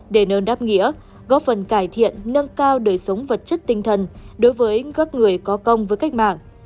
đề nơn đáp nghĩa góp phần cải thiện nâng cao đời sống vật chất tinh thần đối với các người có công với cách mạng